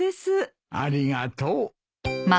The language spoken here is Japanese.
ありがとう。